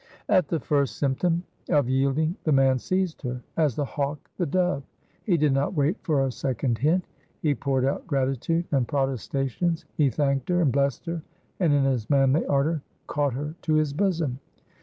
At the first symptom of yielding the man seized her as the hawk the dove. He did not wait for a second hint. He poured out gratitude and protestations. He thanked her, and blessed her, and in his manly ardor caught her to his bosom.